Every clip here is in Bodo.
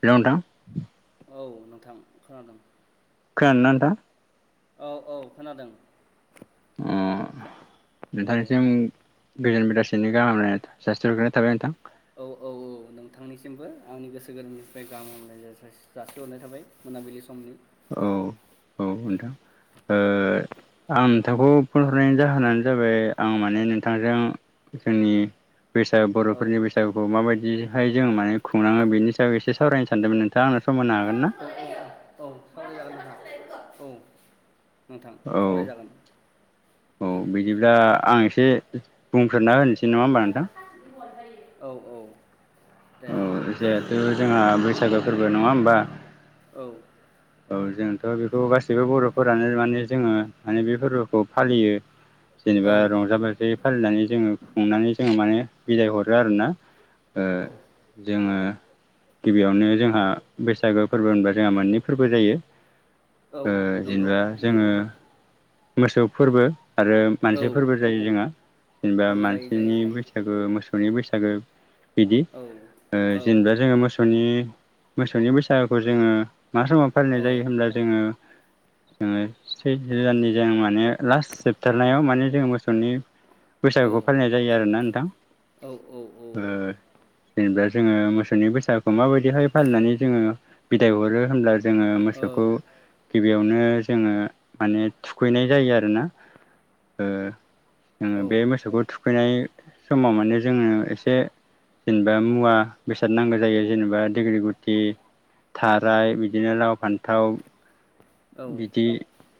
हेल'नोंथां औ नोंथां खोनादों। ना नोंथां? औ औ खोनादों। अ' औ नोंथांनिसिम गोजोन बेलासेनि गाहाम हामलायनाय जासिहरनाय थाबाय नोंथां। औ औ औ। नोंथांनिसिमबो आंनि गोसो गोरबोनिफ्राय गाहाम हामलायनाय जासिहरनाय थाबाय मोनाबिलि समनि। औ औ नोंथां। आं नोंथांखौ फन हरनायनि जाहोनानो जाबाय आं माने नोंथांजों जोंनि बैसागु औ बर'फोरनि बैसागुखौ माबायदि बिदिहाय जों माने खुंलाङो बेनि सायाव एसे सावरायनो सानदोंमोन नोंथाङा आंनो सम होनो हागोन ना? औ औ सावरायजागोन नोंथां औ नोंथां औ सावराय जागोन। औ बिदिब्ला आं एसे बुंफोरना होनोसै नङा होनबा नोंथां। औ औ दे औ जिहेथु जोंहा बैसागो फोरबो नङा होनबा औ औ जोंथ' बेखौ गासैबो बर'फोरानो माने जोङो माने बे फोरबोखौ फालियो। जेनेबा औ रंजा बाजायै फालिनानै जोङो खुंनानै जोङो माने बिदाय हरो आरोना। ओ जोङो गिबियावनो जोंहा बैसागो फोरबो होनबा जोंहा मोननै फोरबो जायो औ ओ नंगौ जेनेबा जोङो मोसौ फोरबो आरो औ मानसि फोरबो जायो जोंहा। जेनेबा औ जायो जायो मानसिनि जायो बैसागो मोसौनि बैसागो बिदि ओ औ जेनेबा जोङो मोसौनि मोसौनि बैसागुखौ जोङो मा समाव फालिनाय औ जायो होनब्ला जोङो जोङो सैथो दाननि जों माने लास्ट जोबथारनायाव माने जों मोसौनि बैसागुखौ फालिनाय जायो आरोना नोंथां ओव-ओव-ओव ओ जेनेबा जोङो मोसौनि बैसागुखौ माबायदिहाय फालिनानै जोङो बिदाय हरो होनब्ला जोङो औ मोसौखौ गिबियावनो जोङो माने थुखैनाय जायो आरोना जोङो बे मोसौखौ थुखै थुखैनाय समाव माने जोङो एसे जेनेबा मुवा बेसाद नांगौ जायो जेनेबा दिग्रि गुथि थाराय बिदिनो लाव फान्थाव बिदि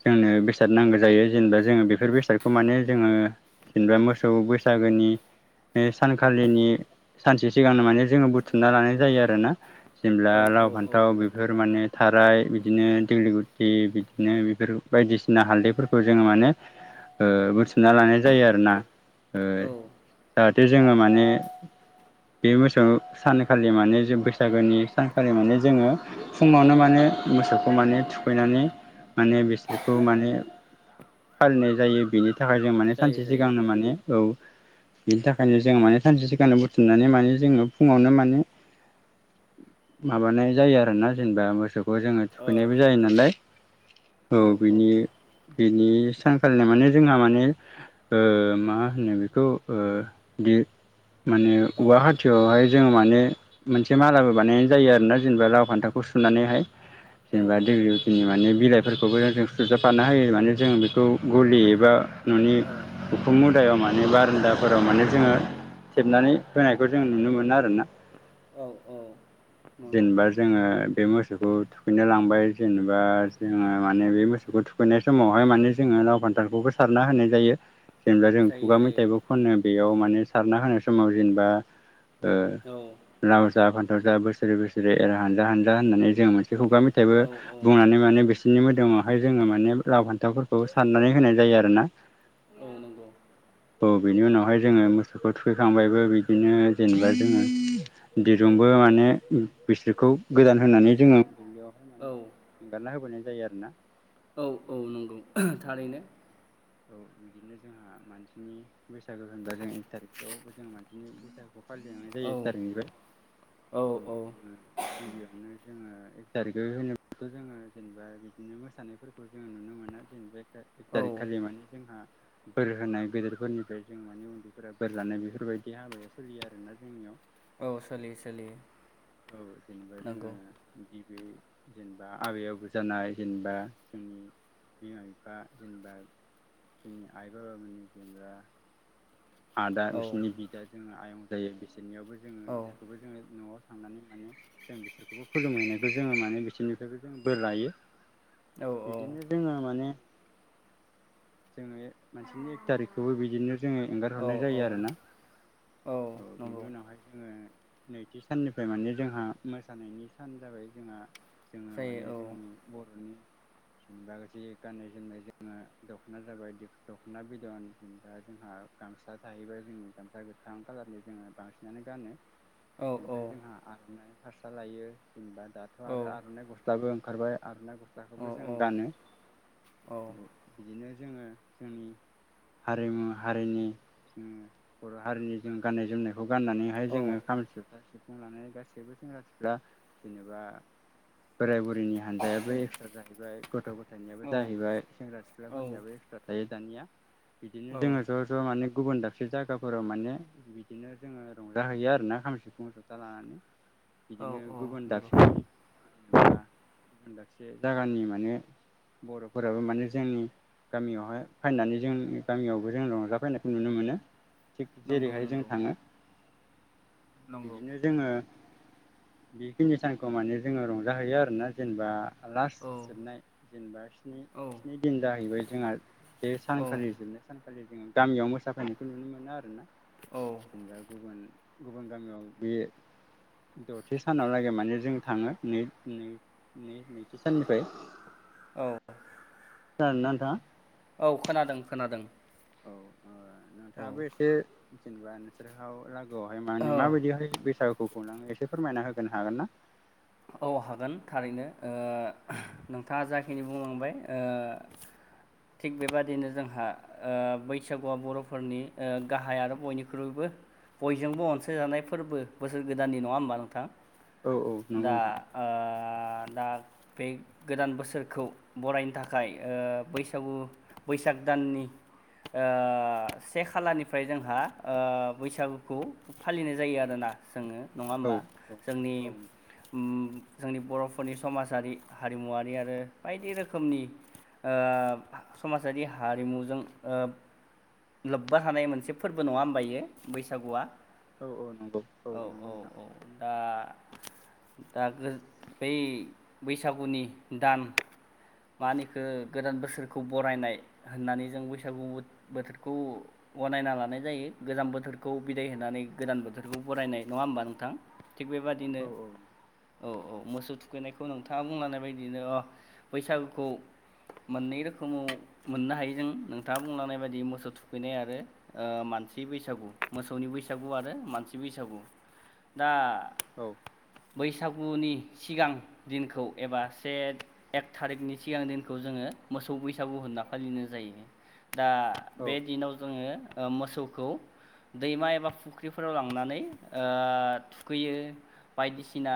जोंनो बेस बेसाद नांगौ जायो जेनेबा जोङो बेफोर बेसादखौ माने जोङो जेनेबा मोसौ बैसागोनि बे सानखालिनि सानसे सिगांनो माने जोङो बुथुमना लानाय जायो आरोना जेब्ला लाव औ फान्थाव औ बेफोर माने थाराय बिदिनो दिगलि गु बिदिनो बेफोर बायदिसिना हालदैफोरखौ जोङो माने बुथुमना लानाय जायो आरोना औ औ जाहाथे जोङो माने बे बोसौ सानखालि माने जों बैसागोनि सानखालि माने जोङो फुङावनो माने मोसौखौ माने थुखैनानै माने बिसोरखौ माने फालिनाय जायो बेनि थाखाय थाखाय जों माने जायो सानसे जायो सिगांनो माने औ बेनि थाखायनो जों माने सानसे सिगांनो बुथुमनानै माने जोङो फुङावनो माने माबानाय जायो आरोना जेनेबा मोसौखौ जोङो औ थुखैनायबो जायो नालाय औ बिनि बिनि सानखालिनो माने जोंहा माने ओ मा होनो बेखौ माने औ औवा हाथियावहाय जोङो माने मोनसे मालाबो बानायनाय जायो आरोना जेनेबा लाव फान्थालखौ सुनानैहाय औ जेनेबा [unintelligible] बिलाइफोरखौबो सुजाफानो होयो माने जों बेखौ गलि एबा न'नि हुखुम मुदायाव मान माने बारान्दाफोराव माने जोङो थेबनानै होनायखौ जों नुनो मोनो आरोना औ नंगौ जेनेबा जोङो बे मोसौखौ थुखैनो लांबाय जेनेबा बा जोङो माने बे मोसौखौ थुखैनाय समावहाय माने जोङो लाव फान्थालखौबो सारना होनाय जायो। जेनेबा जों जायो खुगा मेथाइबो जायो खनो बेयाव माने सारना होनाय समाव जेनेबा ओ लाव जा फान्थाव जा बोसोरै बोसोरै एरा हानजा हानजा होननानै जों मोनसे बे खुगा मेथाइबो औ औ माने माने बिसोरनि मोदोमावहाय जोङो माने लाव फान्थावफोरखौ साननानै होनाय जायो आरोना औ नंगौ [inaudible] औ बिनि उनावहाय जोङो मोसौखौ थुखैखांबायबो बिदिनो जेनेबा जोङो दिरुं -बो माने बिसोरखौ गोदान होनानै जोङो औ एंगारना होबोनाय जायो आरोना औ औ नंगौ थारैनो औ बिदिनो जोंहा मानसिनि बैसागु होनबा जों एख थिरिखआवबो जों मानसिनि औ बैसागु [unintelligible] औ जोङो गिबियावनो जोङो एक थारिखै होनोबाथ' जोङो जेनेबा बिदिनो मोसानायफोरखौ जोङो नुनो मोना एक औ थारिक खालि माने जोंहा बोर होनाय गिदिरफोरनिफ्राय जों माने उन्दैफोरा बोर लानाय बेफोरबायदि हाबाया सोलियो आरोना जोंनियाव औ सोलियो सोलियो औ जेनेबा जोङो नंगौ गिबि जेनेबा आबै आबौ जानाय जेनेबा जोंनि बिमा बिफा जेनेबा जोंनि आइ बाबामोननि जेनेबा आदा औ बिसिनि बिदा जोंना आयं जायो बिसोरनियावबो जोङो औ बिसोरखौबो जोङो नआव थांनानै माने जों बिसोरखौबो खुलुमहैनायखौ जोङो माने बिसोरनिफ्रायबो जों बोर लायो औ बिदिनो जोङो जोङो मोनसिनि एक थारिखखौबो बिदिनो जोङो एंगार औ हरनाय औ जायो आरोना औ औ बिनि नंगौ उनावहाय जोङो नैथि साननिफ्राय माने जोंहा मोसानायनि सान जाबाय जोंहा जायो औ जेनबा जि गान्नाय जोमनाय जोङो दखना जाबाय दखना बिदन जेनेबा जोंहा गामसा थाहैबाया जोंनि गामसा गोथां कलारनि जोङो बांसिनानो गानो औ ओमफ्राय औ जोंहा आरनाइ फारसा लायो जेनेबा दाथ औ आरो आरनाइ गस्ला गस्लाबो ओंखारबाय आरनाइ औ गस्लाखौबो जों गानो औ बिदिनो जोङो जोंनि हारिमु हारिनि जोङो बर' हारिनि जों गाननाय जोमनाय खौ गाननानैहाय जोङो खाम जथा सि गासैबो सेंग्रा सिखफ्रा जेनेबा बोराय बुर लिनि हानजायाबो एक्सट्रा जाहैबाय गथ गथायनियाबो जाहैबाय सेंग्रा सिख्लाफोरनियाबो एक्सट्रा दानिया बिदिनो जोङो औ ज ज माने गुबुन दाबसे जायगाफोराव माने बिदिनो जोङो रंजााहैयो आरोना खाम सिफुं जथा लानानै औ बिदिनो औ गुबुन नंगौ दाबसेनि जेनेबा गुबुन दाब जागानि माने बरफोराबो माने जोंनि गामियावहाय फैनानै जों गामियावबो जों रंजाफैनायखौ नुनो मोनो थिग नंगौ जेरैहाय जों नंगौ थाङो नंगौ बिदिनो जोङो बेखिनि सानखौ माने जोङो रंजाहैयो आरोना जेनेबा लास औ जोबनाय जेनेबा औ स्नि दिन जाहैबाय जोंहा बे औ सानखालि जोबनाय सानखा खालि जों गामियाव मोसाफैनायखौ नुनो मोनो आरोना औ जेनेबा गुबुन गुबुन गामियाव बे दथि सानावलागै माने जों थाङो नै- नै-नै नैथि साननिफ्राय औ खोनादों ना नोंथाङा औ खोनादों खोनादों औ ओ औ नोंथाङाबो एसे जेनेबा नोंसोरहाव ला बेआवहाय माने माबायदिहाय बैसागुखौ खुंलाङो एसे फोरमायना होगोनो हागोन ना? औ हागोन थारैनो ओ औ नोंथाङा जाखिनि बुंलांबाय ओ थिग बेबादिनो जोंहा ओ बैसागुआ बरफोरनि ओ गाहाय आरो बयनिख्रुइबो बयजोंबो अनसायजानाय फोरबो बोसोर गोदाननि नङा होमबा नोंथां औ औ नंगौ दा नोंथां ओ दा बे गोदान बोसोरखौ बरायनो थाखाय ओ बैसागु बैसाग दाननि ओ से खालानिफ्राय जोंहा ओ बैसागुखौ फालिनाय जायो आरोना जोङो नङा औ होमबा जोंनि औ नोंथां जोंनि बरफोरनि समाजारि हारिमुवारि आरो बायदि रोखोमनि ओ समाजारि हारिमुजों ओ लोब्बा थानाय मोनसे फोरबो नङा होमबा एयो बैसागुआ औ औ नंगौ औ औ नंगौ नोंथां औ दा दा गो बै बैसागुनि दान मा होनो इखो गोदान बोसोरखौ बरायनाय होननानै जों बैसागु बोथ बोथोरखौ गनायना लानाय जायो गोजाम बोथोरखौ बिदाय होनानै गोदान बोथोरखौ बरायनाय नङा होमबा नोंथां। थिग बेबादिनो औ औ नोंथां औ औ मोसौ थुखैनायखौ नोंथाङा बुंलांनाय बायदिनो अ बैसागुखौ मोननै रोखोमाव मोननो हायो जों नोंथाङा बुंलांनाय बायदि मोसौ थुखैनाय आरो ओ मान मानसि बैसागु मोसौनि बैसागु आरो मानसि बैसागु दा औ बैसागुनि सिगां दिनखौ एबा से एक थारिखनि सिगां दिनखौ जों जोङो मोसौ बैसागु होनना फालिनाय जायो। दा औ बे दिनाव जोङो ओ मोसौखौ दैमा एबा फुख्रिफोराव लांनानै ओ थुखैयो बायदिसिना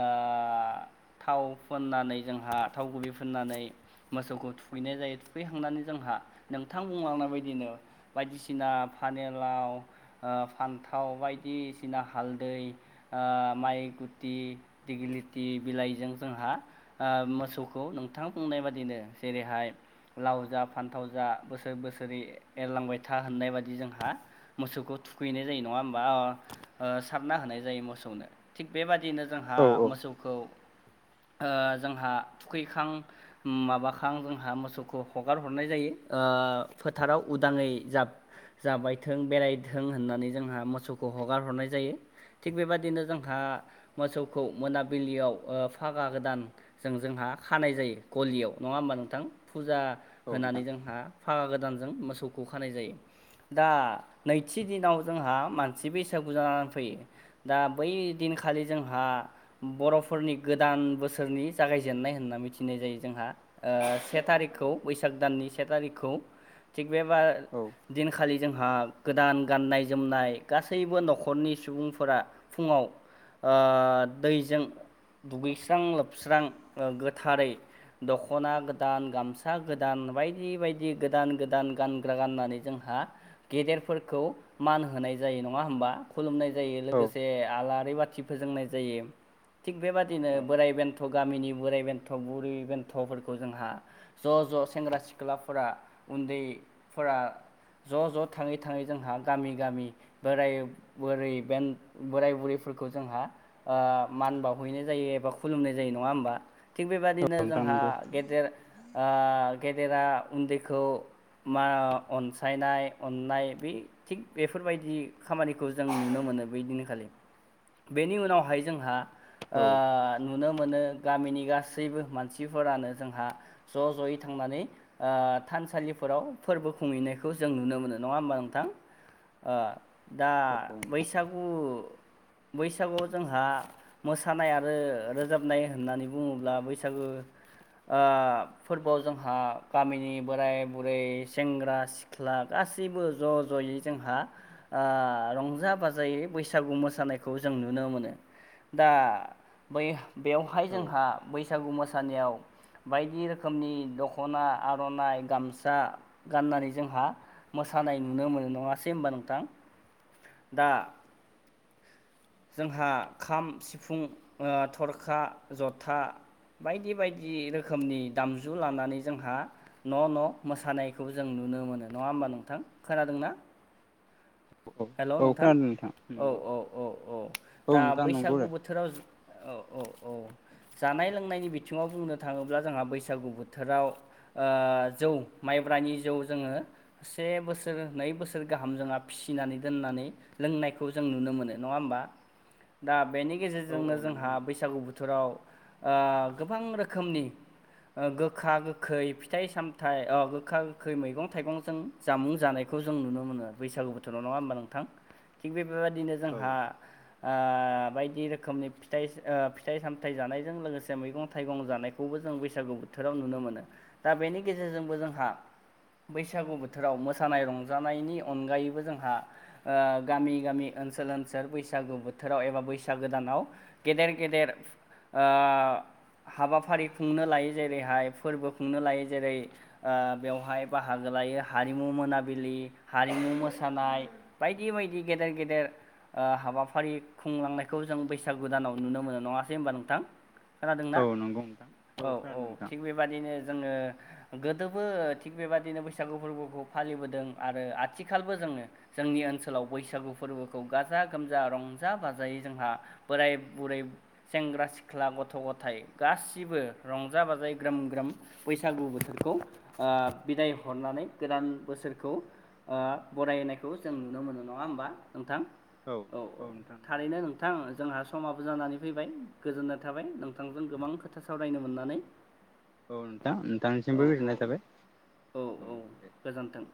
ओ थाव फ़ननानै जोंहा थाव गुबै फोननानै। मोसौखौ थुखैनाय जायो थुखैखांनानै जोंहा नोंथां बुंलांनाय बायदिनो बायदिसिना फानेलाव ओ फान्थाव बायदिसिना हालदै ओ माइ गुथि दिगलिथि बिलाइजों जोंहा ओ मोसौखौ नोंथां बुंनाय बेबायदिनो जेरैहाय लाव जा फान्थाव जा बोसोर बोसोरै एरलांबाय था होननाय बाददि जोंहा मोसौखौ थुखैनाय जायो नङा होमबा अ अ सारना होनाय जायो मोसौनो। थिग बेबादिनो जोंहा मोसौखौ [inaudible] ओ जोंहा थुखैखां ओम माबाखां जोंहा मोसौखौ हगार हरनाय जायो ओ ओ फोथाराव उदाङै जाब जाबायथों बेरायथों होननानै जोंहा मोसौखौ हगार हरनाय जायो। थिग बेबायादिनो जों हा मोसौखौ मोनाबिलियाव ओ फागा गोदानजों जोंहा खानाय जायो। गलियाव नङा होनबा नोंथां फुजा औ होनानै नोंथां जोंहा फागा गोदानजों मोसौखौ खानाय जायो दा नैथि दिनाव जोंहा मानसि बैसागु जानानै फैयो दा बै दिनखालि जोंहा बरफोरनि गोदान बोसोरनि जागायजेननाय होनना मिथिनाय जायो। जोंहा ओ से थारिकखौ बैसाग दाननि से थारिखखौ थिग बेबा औ दिनखालि जोंहा गोदान गाननाय जोमनाय गासैबो नखरनि सुबुंफोरा फुङाव ओ दैजों दुगैस्रां लोबस्रां ओ गोथारै दखना गोदान गामसा गोदान बायदि बायदि गोदान गोदान गानग्रा गाननानै जोंहा हा गेदेरफोरखौ मान होनाय जायो नङा होनबा खुलुमनाय ज जायो लोगोसे आलारि बाथि फोजोंनाय जायो। थिग बेबादिनो बोराइ बेन्थ गामिनि बोराइ बेन्थ बुरै बेन्थफोरखौ जोंहा ज ज सेंग्रा सिख्लाफोरा उन्दै फोरा ज ज थाङै थाङै जोंहा गामि गामि बोराय बोरै बेन बोराय बुरै फोरखौ जोंहा ओ मान बावहैैनाय जायो एबा खुलुमनाय जायो नङा होमबा? थिग अ औ बेबादिनो नोंथां जोंहा नंगौ गेदेर ओ गेदेरा उन्दैखौ मा अनसायनाय अननाय बे थिग बेफोरबायदि खामानिखौ जों नुनो मोनो। मोनो बै दिनखालि बेनि उनावहाय जोंहा ओ औ नुनो मोनो गामिनि गासैबो मानसिफोरानो जोंहा ज जयै थांनानै ओ थानसालिफोराव फोरबो खुंहैनायखौ जों नुनो मोनो नङा होमबा नोंथां? ओ दा औ औ नोंथां बैसागु बैसागुआव जोंहा मोसानाय आरो रोजाबनाय होननानै बुङोब्ला बैसागु ओ फोरबोआव जोंहा गामिनि बोराय बुरै सेंग्रा सिख्ला गासै गासैबो ज जयै जोंहा ओ रंजा बाजायै बैसागु मोसानाय खौ जों नुनो मोनो दा बै बेवहाय औ जोंहा बैसागु मो सानायाव बायदि रोखोमनि दख'ना आर'नाइ गामसा गाननानै जोंहा मो सानाय नुनो मोनो नङासै होनोमबा नोंथां? दा जोंहा खाम सिफुं आ थरखा जथा बायदि बायदि रोखोमनि दामजु लानानै जोंहा न' न' मोसानायखौ जों नु नो मोनो नङा होमबा नोंथां। खोनादों ना? हेल' औ नोंथां। खोनादों औ नंगौ औ औ औ औ दा नोंथां नंगौ बैसागु औ बोथोराव औ औ औ। जानाय लोंनायनि बिथिङाव बुंनो थाङोब्ला जोंहा बैसागु बोथोराव आ जौ। माइब्रानि जौ जोङो से बोसोर नै बोसोर गाहाम जोंहा फि नानै दोननानै लोंनायखौ जों नुनो मोनो नङा होमबा? दा बेनि औ गेजेरजोंनो नंगौ जोंहा नोंथां बैसागु बोथोराव आ गोबां रोखोमनि ओ गोखा गोखै फिथाइ सामथायाइ आ गोखा गोखै मैगं थाइगंजों जामुं जानाय खौ जों नुनो मोनो बैसागु बोथोराव नङा होमबा नोंथां। थिग बे बेबायदिनो औ जोंहा आ बायदि रोखोमनि फिथाइ आ फिथाइ सामथाइ जानायजों लोगोसे मैगं थाइगं जानायखौबो जों बैसागु बोथोराव नुनो मोनो दा बेनि गेजेरजोंबो जोंहा बैसागु बोथोराव मोसानाय रंजानायनि अनगायैबो जों हा ओ गामि गामि ओनसोल ओनसोल बैसागु बोथोराव एबा बैसागो दानाव गेदेर गदेर ओ हाबाफारि खुंनो लायो जेरैहाय फोरबो खुंनो लायो जेरै ओ बेवहाय बाहागो लायो हारिमु मोनाबिलि हारिमु मोसानाय बायदि बायदि गेदेर गेदेर आ हाबाफारि खुंलांनायखौ जों बैसागुदानाव नुनो मोनो नङासै होनबा नोंथां? खोनादोंना औ नंगौ नोंथां औ औ खोनादों नोंथां थिग बेबादिनो जोङो गोदोबो थिग बेबादिनो बैसागु फोरबोखौ फालिबोदों आरो आथिखालबो जोङो जोंनि ओनसोलाव बैसागु फोरबोखौ गाजा गोमजा रंजा बाजायै जोंहा बोराय। बुरै सेंग्रा सिख्ला गथ' गथाय गासिबो रंजा बाजायै ग्रोम ग्रोम। बैसागु बोथोरखौ आ बिदाय हरनानै गोदान बोसोरखौ आ। बरायनायखौ जों नुनो मोनो नङा होमबा नोंथां? औ औ थारैनो नोंथां जोंहा समाव जानानै फैबाय गोजोननाय थाबाय नोंथांजों गोबां खोथा सावरायनो मोननानै औ नोंथां औ नोंथांनिसिमबो औ गोजोननाय थाबाय औ औ गोजोन्थों।